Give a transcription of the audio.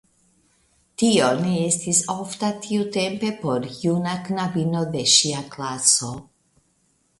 Tio ne estis ofta tiutempe por juna knabino de ŝia klaso.